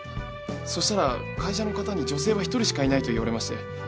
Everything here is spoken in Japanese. そしたら会社の方に女性は一人しかいないと言われまして。